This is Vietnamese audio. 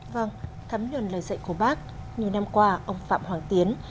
vâng thấm nhuần lời dạy của bác nhiều năm qua ông phạm hoàng tiến